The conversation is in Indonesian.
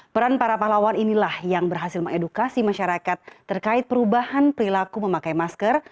peran para pahlawan inilah yang berhasil mengedukasi masyarakat terkait perubahan perilaku memakai masker